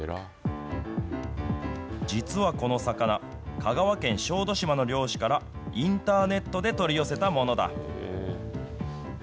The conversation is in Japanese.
実はこの魚、香川県小豆島の漁師からインターネットで取り寄せたものだ。